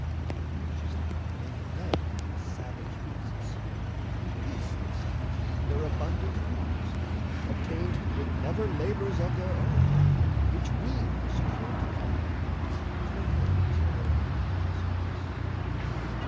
For anxiously they fled the savage beasts, And peace they sought and their abundant foods, Obtained with never labours of their own, Which we secure to them as fit rewards For their good service.